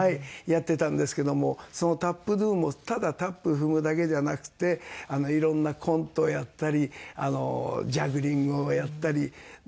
やってたんですけどもそのＴＡＰＤＯ！もただタップ踏むだけじゃなくて色んなコントをやったりジャグリングをやったり。